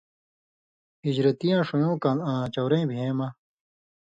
ہِجرتیاں ݜویوں کال آں چؤرَیں بھېں مہ